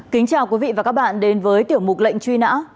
kính chào quý vị và các bạn đến với tiểu mục lệnh truy nã